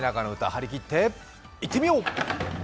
張り切っていってみよう！